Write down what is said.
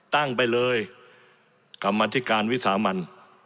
ตั้งไปเลยกรรมธิการวิสามัน